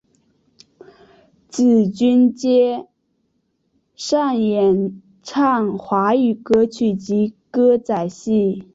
紫君兼擅演唱华语歌曲及歌仔戏。